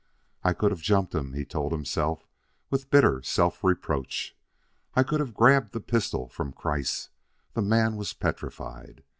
"I could have jumped him," he told himself with bitter self reproach; "I could have grabbed the pistol from Kreiss the man was petrified."